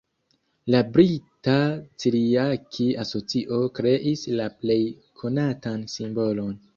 La Brita celiaki-asocio kreis la plej konatan simbolon.